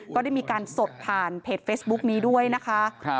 ก็ได้มีการสดผ่านเพจเฟซบุ๊กนี้ด้วยนะคะ